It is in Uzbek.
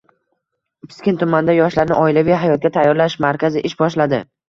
Piskent tumanida yoshlarni oilaviy hayotga tayyorlash markazi ish boshladi